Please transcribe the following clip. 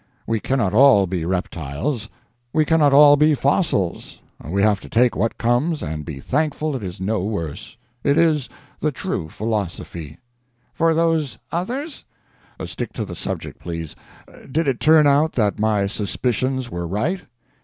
We cannot all be reptiles, we cannot all be fossils; we have to take what comes and be thankful it is no worse. It is the true philosophy." "For those others?" "Stick to the subject, please. Did it turn out that my suspicions were right?"